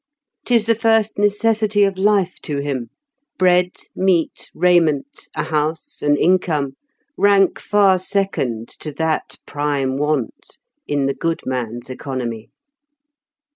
'Tis the first necessity of life to him; bread, meat, raiment, a house, an income, rank far second to that prime want in the good man's economy.